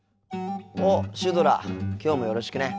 あっシュドラきょうもよろしくね。